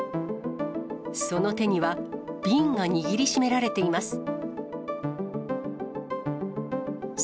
その手には瓶が握りしめられています。